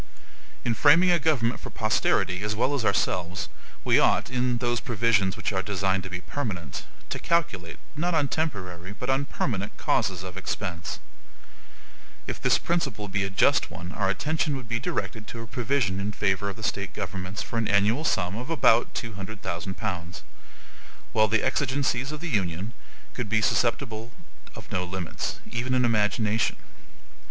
In framing a government for posterity as well as ourselves, we ought, in those provisions which are designed to be permanent, to calculate, not on temporary, but on permanent causes of expense. If this principle be a just one our attention would be directed to a provision in favor of the State governments for an annual sum of about two hundred thousand pounds; while the exigencies of the Union could be susceptible of no limits, even in imagination.